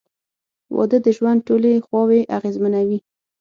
• واده د ژوند ټولې خواوې اغېزمنوي.